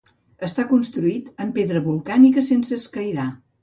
Està construït en pedra volcànica sense escairar.